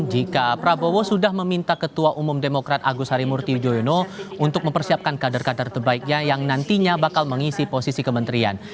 jika prabowo sudah meminta ketua umum demokrat agus harimurti yudhoyono untuk mempersiapkan kader kader terbaiknya yang nantinya bakal mengisi posisi kementerian